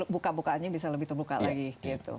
buka bukaannya bisa lebih terbuka lagi gitu